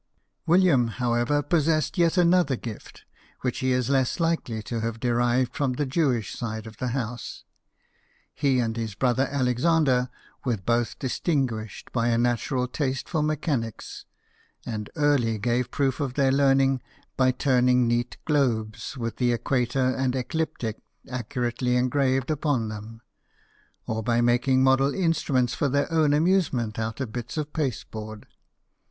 William, however, possessed yet another gift, which he is less likely to have derived from the Jewish side of the house. He and his brother Alexander were both distinguished by a natural taste for mechanics, and early gave proof of their learning by turning neat globes with the equator and ecliptic accurately engraved upon them, or by making model instruments for their own amusement out of bits of pasteboard.